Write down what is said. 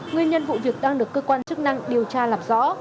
nguyên nhân vụ việc đang được cơ quan chức năng điều tra làm rõ